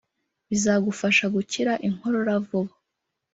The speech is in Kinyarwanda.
bizagufasha gukira inkorora vuba